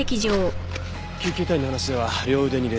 救急隊員の話では両腕に裂創。